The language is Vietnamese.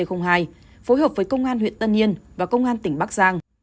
phối hợp với công an huyện tân yên và công an tỉnh bắc giang